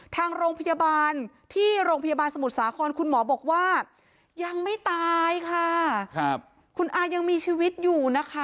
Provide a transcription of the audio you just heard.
ทางโรงพยาบาลที่โรงพยาบาลสมุทรสาครคุณหมอบอกว่ายังไม่ตายค่ะครับคุณอายังมีชีวิตอยู่นะคะ